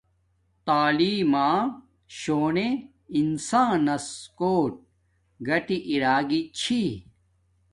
تعیلم ما شونے انسانس کوٹ ۔گاٹی ارا گی چھی